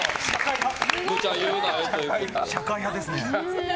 社会派ですね。